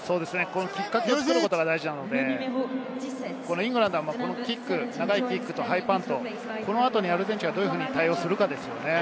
きっかけを作ることが大事なので、イングランドはキック、長いキックとハイパント、この後、アルゼンチンがどう対応するかですよね。